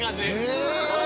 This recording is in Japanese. へえ！